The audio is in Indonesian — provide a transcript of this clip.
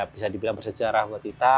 bisa dibilang bersejarah buat kita